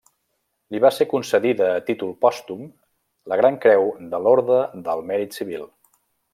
Li va ser concedida a títol pòstum la Gran Creu de l'Orde del Mèrit Civil.